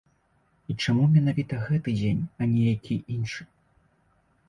І чаму менавіта гэты дзень, а не які іншы?